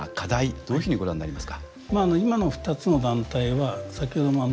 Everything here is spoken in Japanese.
どういうふうにご覧になりますか。